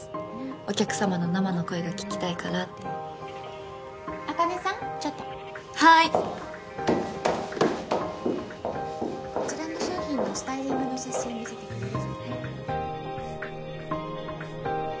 お客様の生の声が聞きたいからって茜さんちょっとはーいこちらの商品のスタイリングの写真見せてくれる？